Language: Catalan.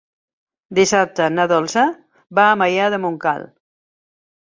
Dissabte na Dolça va a Maià de Montcal.